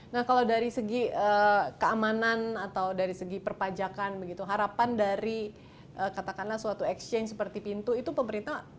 nah kalau dari segi keamanan atau dari segi perpajakan begitu harapan dari katakanlah suatu exchange seperti pintu itu pemerintah